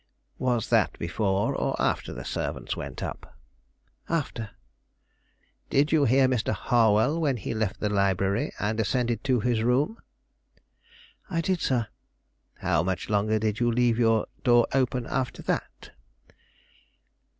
"Was that before or after the servants went up?" "After." "Did you hear Mr. Harwell when he left the library and ascended to his room?" "I did, sir." "How much longer did you leave your door open after that?"